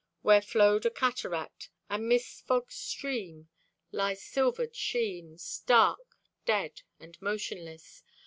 Where flowed a cataract And mist fogged stream, lies silvered sheen, Stark, dead and motionless.